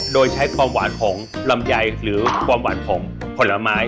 โดยใช้ความหวานของลำไยหรือความหวานของผลไม้